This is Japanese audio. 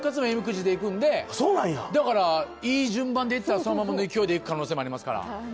神籤で行くんで、だから、いい順番でいったら、そのままの勢いで行く可能性もありますから。